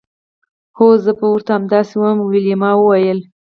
هو زه به ورته همداسې ووایم ویلما وویل